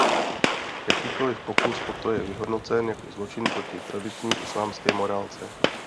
Jakýkoliv pokus o to je vyhodnocen jako zločin proti tradiční islámské morálce.